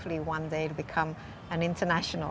akan menjadi perubahan internasional